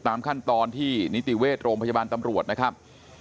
ตามขั้นตอนที่นิติเวชโรงพยาบาลตำรวจนะครับ